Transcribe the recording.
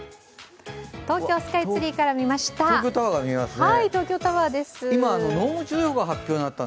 東京スカイツリーから見ました。